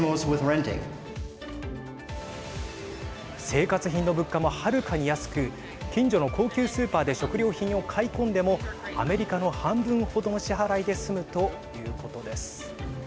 生活品の物価もはるかに安く近所の高級スーパーで食料品を買い込んでもアメリカの半分程の支払いで済むということです。